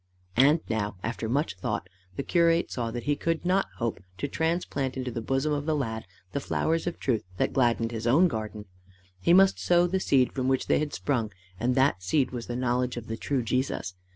And now after much thought, the curate saw that he could not hope to transplant into the bosom of the lad the flowers of truth that gladdened his own garden: he must sow the seed from which they had sprung, and that seed was the knowledge of the true Jesus.